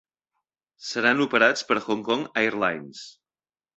Seran operats per Hong Kong Airlines.